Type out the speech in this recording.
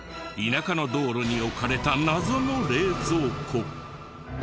田舎の道路に置かれた謎の冷蔵庫。